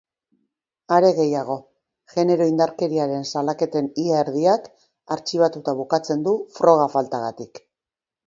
Are gehiago, genero indarkeriaren salaketen ia erdiak artxibatuta bukatzen du froga faltagatik.